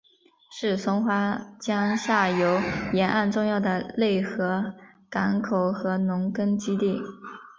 是松花江下游沿岸重要的内河港口和农垦基地。